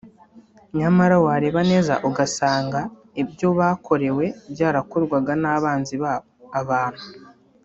Nyamara wareba neza ugasanga ibyo bakorewe byarakorwaga n’abanzi babo (Abantu)